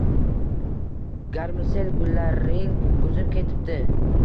Garmsel gullaring uzib ketibdi.